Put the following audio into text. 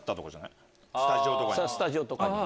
スタジオとかに。